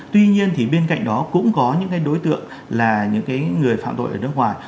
tuy nhiên thì bên cạnh đó cũng có những cái đối tượng là những người phạm tội ở nước ngoài